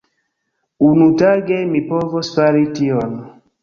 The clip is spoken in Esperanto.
Unutage mi povos fari tion.